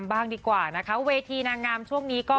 บ้างดีกว่านะคะเวทีนางงามช่วงนี้ก็